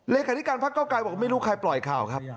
เลยคณิการภักดิ์เก้าไกลบอกว่าไม่รู้ใครปล่อยข่าวครับ